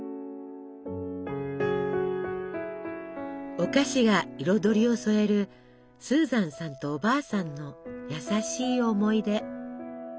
お菓子が彩りを添えるスーザンさんとおばあさんの優しい思い出。